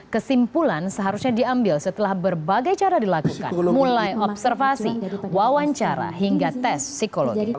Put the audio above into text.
kesimpulan seharusnya diambil setelah berbagai cara dilakukan mulai observasi wawancara hingga tes psikologi